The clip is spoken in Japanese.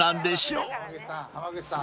浜口さん。